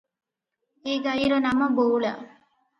ଏ ଗାଈର ନାମ ବଉଳା ।